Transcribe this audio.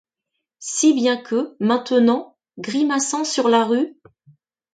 Si bien que, maintenant, , grimaçant sur la rue